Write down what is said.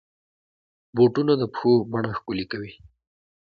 بوټونه د پښو بڼه ښکلي کوي.